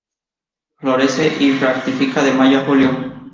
Florece y fructifica de Mayo a Julio.